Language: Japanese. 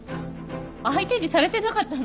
相手にされてなかったのね。